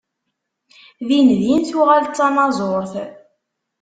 Dindin tuɣal d tanaẓurt.